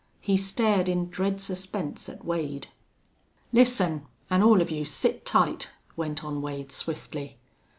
He stared in dread suspense at Wade. "Listen. An' all of you sit tight," went on Wade, swiftly.